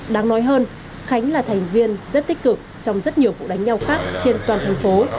đáng nói hơn khánh là thành viên rất tích cực trong rất nhiều vụ đánh nhau khác trên toàn thành phố